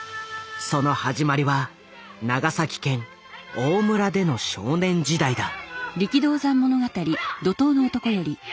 その始まりは長崎県大村での少年時代だ。